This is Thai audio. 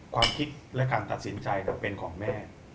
ความคิดและการตัดสินใจจะเป็นของแม่